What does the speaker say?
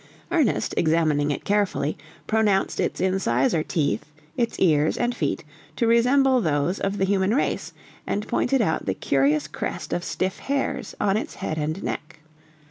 Ernest, examining it carefully, pronounced its incisor teeth, its ears and feet, to resemble those of the human race, and pointed out the curious crest of stiff hairs on its head and neck.